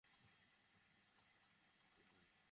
সত্যি বলতে, সে তোমাকে খুব ভালোবাসে।